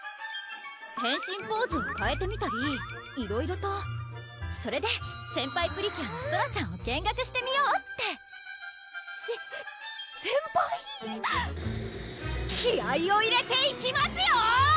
変身ポーズをかえてみたりいろいろとそれで先輩プリキュアのソラちゃんを見学してみようってせせんぱひ気合いを入れていきますよ！